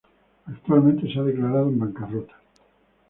Actualmente se ha declarado en bancarrota.